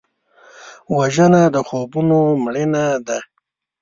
وژنه د خوبونو مړینه ده